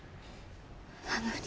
なのに。